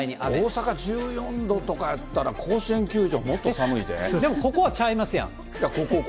大阪１４度とかやったら、甲子園球場、でもここ、ちゃいますやん。